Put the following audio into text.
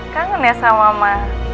kangen ya sama mama